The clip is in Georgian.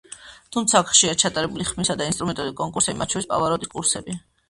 თუმცა აქ ხშირად ჩატარებული ხმისა და ინსტრუმენტალური კონკურსები, მათ შორის პავაროტის კონკურსი.